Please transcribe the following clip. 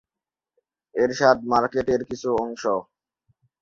এরশাদ market এর কিছু অংশ।